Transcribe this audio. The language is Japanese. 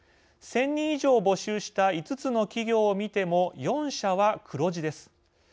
１０００人以上募集した５つの企業を見ても４社は黒字です。